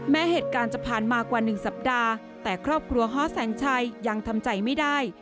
แม้เหตุการณ์จะผ่านมากว่า๑สัปดาห์แต่ครอบครัวฮ้อแสงชัยยังทำใจไม่ได้